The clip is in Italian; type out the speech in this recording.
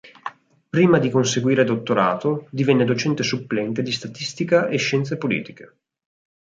Prima di conseguire dottorato divenne docente supplente di statistica e scienze politiche.